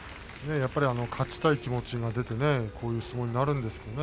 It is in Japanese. やっぱり勝ちたい気持ちが出てこういう相撲になるんですね。